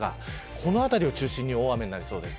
この辺りを中心に大雨になりそうです。